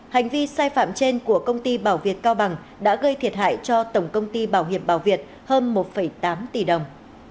hành vi sai phạm trên của công ty bảo việt cao bằng đã gây thiệt hại cho tổng công ty bảo hiệp bảo việt hơn một tám tỷ đồng